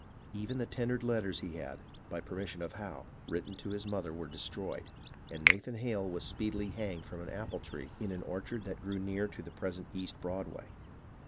Even the tender letters he had, by permission of Howe, written his mother were destroyed, and Nathan Hale was speedily hanged from an apple tree in an orchard that grew near to the present East Broadway.